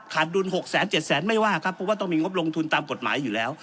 ดุล๖๗แสนไม่ว่าครับเพราะว่าต้องมีงบลงทุนตามกฎหมายอยู่แล้ว